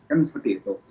kan seperti itu